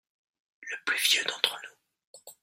Le plus vieux d'entre nous.